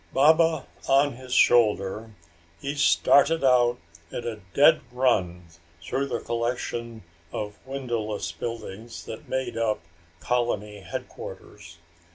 Baba on his shoulder, he started out at a dead run through the collection of windowless buildings that made up colony headquarters.